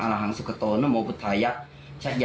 ดูเหตุการณ์นี้ก็หน่อยไหมคะ